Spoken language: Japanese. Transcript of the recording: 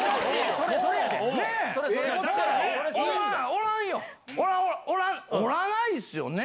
おらないですよね。